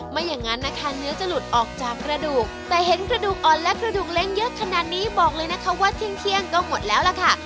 ไม่อย่างนั้นนะคะเนื้อจะหลุดออกจากกระดูกแต่เห็นกระดูกอ่อนและกระดูกเล้งเยอะขนาดนี้บอกเลยนะคะว่าเที่ยงก็หมดแล้วล่ะค่ะ